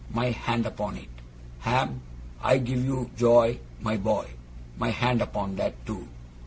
My hand upon it! Ham, I give you joy, my boy. My hand upon that, too!